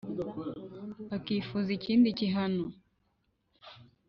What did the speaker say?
bakifuza ikindi ki hano ?